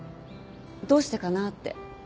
どうしてかなーって。